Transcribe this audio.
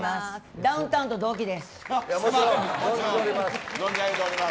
ダウンタウンと同期です。